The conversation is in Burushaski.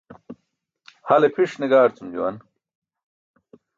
Hale pʰiṣ ne gaarcum juwan.